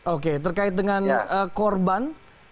oke terkait dengan korban